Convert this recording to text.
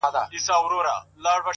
زارۍ’